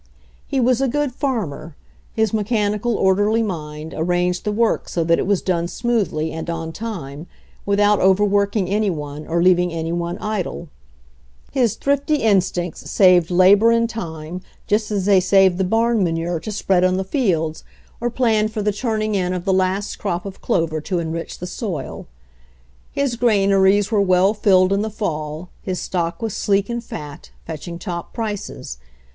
He was a good farmer. His mechanical, or derly mind arranged the work so that it was done smoothly, and on time, without overworking any one or leaving any one idle. His thrifty in stincts saved labor and time just as they saved the barn manure to spread on the fields, or MAKING A FARM EFFICIENT 51 planned for the turning in of the last crop of clover to enrich the soil. His granaries were well filled in the fall, his stock was sleek and fat, fetching top prices.